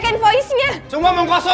jangan sembarangan kamu